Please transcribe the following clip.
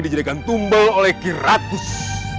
dijadikan tumbal oleh kiratus